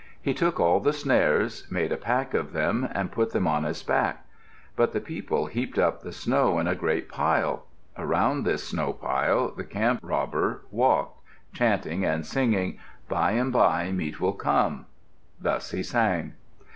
He took all the snares, make a pack of them, and put them on his back. But the people heaped up the snow in a great pile. Around this snow pile the camp robber walked, chanting and singing "By and by meat will come." Thus he sang.